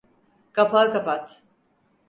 Kapağı kapat.